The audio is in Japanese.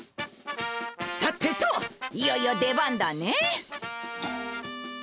さてといよいよ出番だね。